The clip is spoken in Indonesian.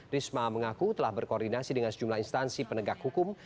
risma mengaku telah berkoordinasi dengan sejumlah instansi penegak hukum